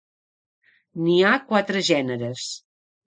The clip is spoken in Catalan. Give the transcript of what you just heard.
N'hi ha quatre gèneres.